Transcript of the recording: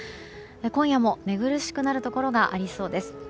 今夜も寝苦しくなるところがありそうです。